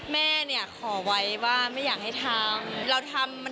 แม่ขอไว้ว่าไม่อยากให้ทำ